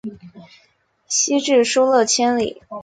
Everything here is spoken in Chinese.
西至疏勒千里。